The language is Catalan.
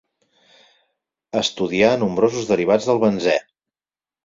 Estudià nombrosos derivats del benzè.